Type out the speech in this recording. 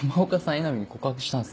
江波に告白したんすか？